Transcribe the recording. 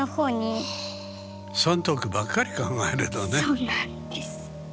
そうなんです。